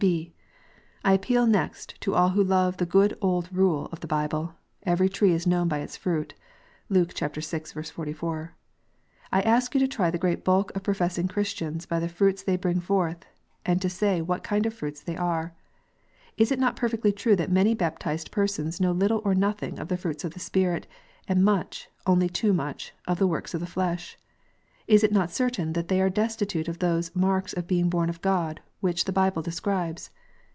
(I) I appeal next to all who love the good old rule of the Bible, "Every tree is known by its own fruit." (Luke vi. 44.) I ask you to try the great bulk of professing Christians by the fruits they bring forth, and to say what kind of fruits they are. Is it not perfectly true that many baptized persons know little or nothing of the fruits of the Spirit, and much, only too much, of the works of the flesh ? Is it not certain that they are destitute of those marks of being born of God which the Bible describes